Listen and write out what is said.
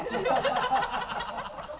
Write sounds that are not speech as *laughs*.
ハハハ *laughs*